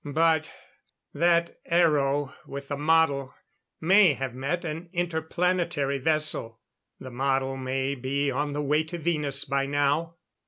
But that aero with the model may have met an inter planetary vessel the model may be on the way to Venus by now."